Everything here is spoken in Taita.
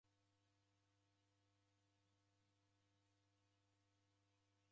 Ai hata sirumirie w'ei okubwagha.